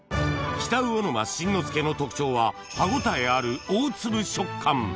北魚沼新之助の特徴は歯応えある大粒食感